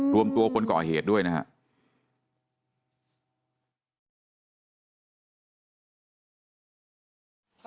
รวมตัวคนเกาะเหตุด้วยนะฮะ